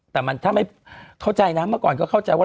แต่มันถ้าไม่เข้าใจนะเมื่อก่อนก็เข้าใจว่า